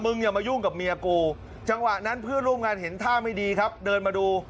อย่ามายุ่งกับเมียกูจังหวะนั้นเพื่อนร่วมงานเห็นท่าไม่ดีครับเดินมาดู